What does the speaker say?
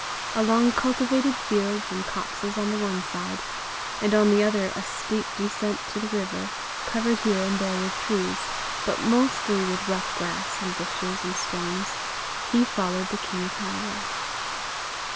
Along cultivated fields and copses on the one side, and on the other a steep descent to the river, covered here and there with trees, but mostly with rough grass and bushes and stones, he followed the king's highway.